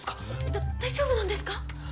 だ大丈夫なんですか？